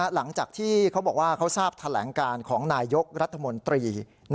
หลังจากที่เขาบอกว่าเขาทราบแถลงการของนายยกรัฐมนตรี